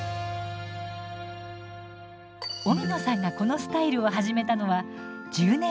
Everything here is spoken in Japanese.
荻野さんがこのスタイルを始めたのは１０年前。